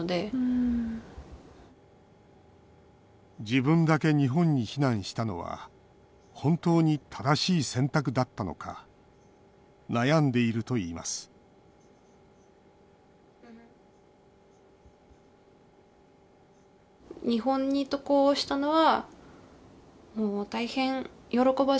自分だけ日本に避難したのは本当に正しい選択だったのか悩んでいるといいます家族から贈られた指輪。